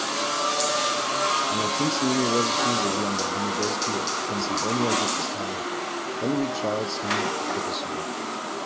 An der Princeton University sowie an der University of Pennsylvania gibt es eine Henry-Charles-Lea-Professur.